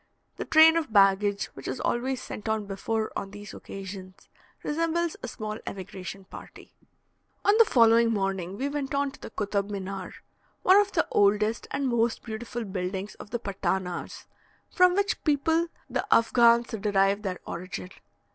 The train of baggage, which is always sent on before on these occasions, resembles a small emigration party. On the following morning we went on to Kotab Minar, one of the oldest and most beautiful buildings of the Patanas (from which people the Affghans derive their origin).